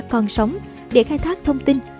còn sống để khai thác thông tin